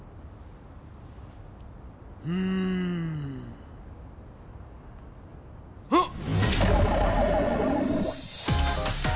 うん。あっ！